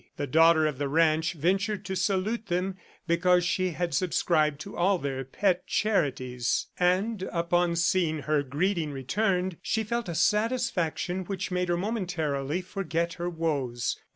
The daughter of the ranch ventured to salute them because she had subscribed to all their pet charities, and upon seeing her greeting returned, she felt a satisfaction which made her momentarily forget her woes.